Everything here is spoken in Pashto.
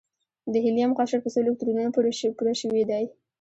د هیلیم قشر په څو الکترونونو پوره شوی دی؟